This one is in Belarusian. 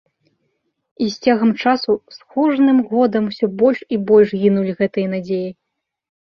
І з цягам часу, з кожным годам усё больш і больш гінулі гэтыя надзеі.